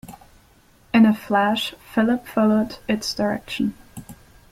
In a flash Philip followed its direction.